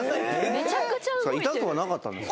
痛くはなかったんですか？